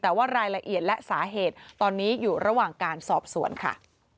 แต่ว่ารายละเอียดและสาเหตุตอนนี้อยู่ระหว่างการสอบสวนค่ะ